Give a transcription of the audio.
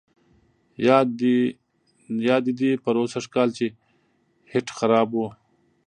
یاد دي دي پروسږ کال چې هیټ خراب وو.